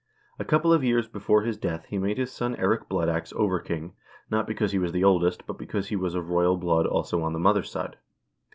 A couple of years before his death he made his son Eirik Blood Ax over king, not because he was the oldest, but because he was of royal blood also on the mother's side.